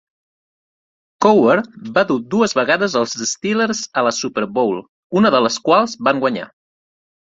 Cowher va dur dues vegades els Steelers a la Super Bowl, una de les quals van guanyar.